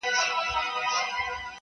• یو مي زړه نه دی چي تا باندي فِدا دی,